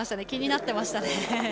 気になってましたね。